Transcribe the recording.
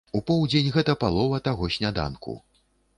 У поўдзень гэта палова таго сняданку.